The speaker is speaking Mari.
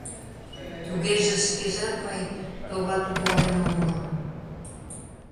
Тугеже, шкежат мый, товат, колен омыл